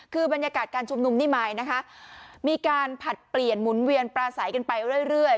คือบรรยากาศการชุมนุมนี่มายนะคะมีการผลัดเปลี่ยนหมุนเวียนปลาใสกันไปเรื่อย